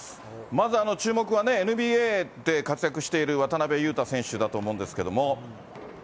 まず注目はＮＢＡで活躍している渡邊雄太選手だと思うんですけども。